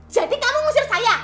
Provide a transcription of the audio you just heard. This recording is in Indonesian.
jadi kamu ngusir saya